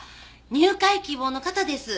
入会希望の方です。